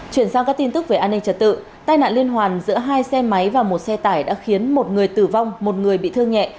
chuyển sang các tin tức về an ninh trật tự tai nạn liên hoàn giữa hai xe máy và một xe tải đã khiến một người tử vong một người bị thương nhẹ